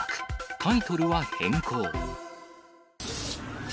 タイトルは変更。